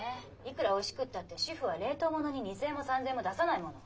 いくらおいしくったって主婦は冷凍物に２，０００円も３，０００円も出さないもの。